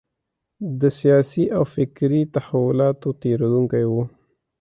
د سیاسي او فکري تحولاتو تېرېدونکی و.